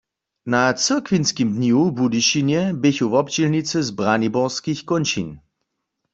Na cyrkwinskim dnju w Budyšinje běchu wobdźělnicy z braniborskich kónčin.